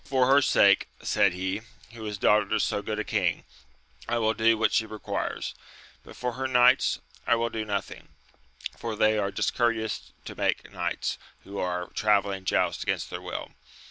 For her sake, said he, who is daughter to so good a king, I will do what she requires ; but for her knights I would do nothing, for they are discourteous to make knights who are travelling joust against their will.